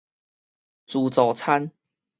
自助餐